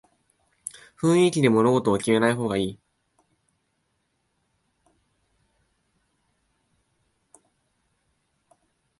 雰囲気で物事を決めない方がいい